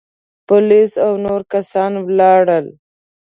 پوليس او نور کسان ولاړل.